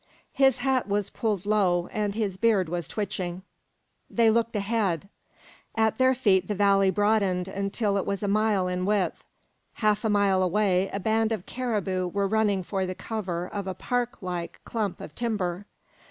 His hat was pulled low, and his beard was twitching. They looked ahead. At their feet the valley broadened until it was a mile in width. Half a mile away a band of caribou were running for the cover of a parklike clump of timber.